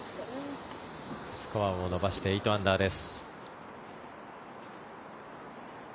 スコアを伸ばして８アンダーです。